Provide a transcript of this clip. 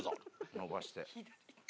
伸ばして。